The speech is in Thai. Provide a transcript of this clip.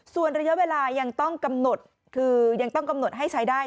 ส่วนระยะเวลายังต้องกำหนดคือยังต้องกำหนดให้ใช้ได้